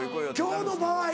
今日の場合。